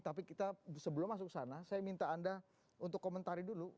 tapi kita sebelum masuk sana saya minta anda untuk komentari dulu